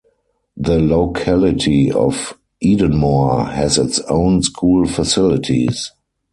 The locality of Edenmore has its own school facilities.